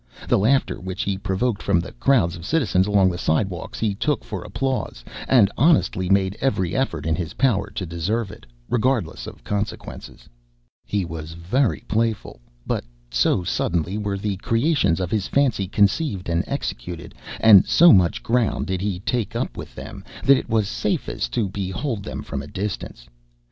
The laughter which he provoked from the crowds of citizens along the sidewalks he took for applause, and honestly made every effort in his power to deserve it, regardless of consequences. He was very playful, but so suddenly were the creations of his fancy conceived and executed, and so much ground did he take up with them, that it was safest to behold them from a distance.